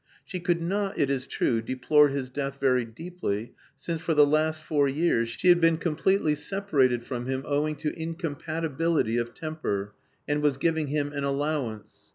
She could not, it is true, deplore his death very deeply, since, for the last four years, she had been completely separated from him owing to incompatibility of temper, and was giving him an allowance.